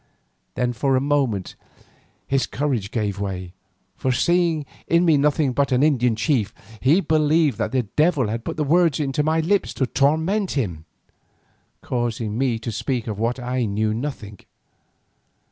Then for a moment his courage gave way, for seeing in me nothing but an Indian chief, he believed that the devil had put the words into my lips to torment him, causing me to speak of what I knew nothing.